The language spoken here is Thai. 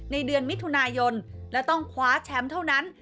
ในเดือนมิถุนายนและต้องคว้าแชมป์เท่านั้น